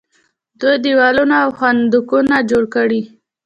دوی دیوالونه او خندقونه جوړ کړي.